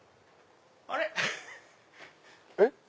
あれ⁉えっ？